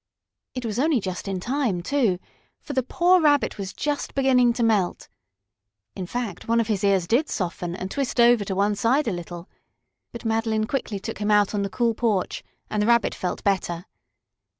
It was only just in time, too, for the poor Rabbit was just beginning to melt. In fact, one of his ears did soften and twist over to one side a little. But Madeline quickly took him out on the cool porch, and the Rabbit felt better.